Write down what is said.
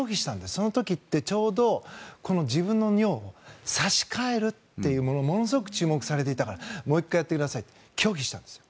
その時ってちょうど自分の尿を差し替えるというのがものすごく注目されていたからもう１回やってくださいって拒否したんです。